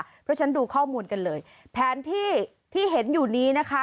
เพราะฉะนั้นดูข้อมูลกันเลยแผนที่ที่เห็นอยู่นี้นะคะ